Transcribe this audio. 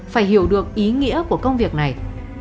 phải hiểu được ý nghĩa của công việc này